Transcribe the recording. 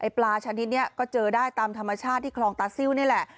ปลาชนิดนี้ก็เจอได้ตามธรรมชาติที่คลองตาซิลนี่แหละ